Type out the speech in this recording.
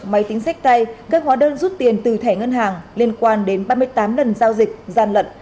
máy tính sách tay các hóa đơn rút tiền từ thẻ ngân hàng liên quan đến ba mươi tám lần giao dịch gian lận